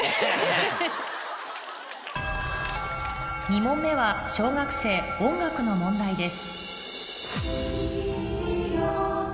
２問目は小学生音楽の問題です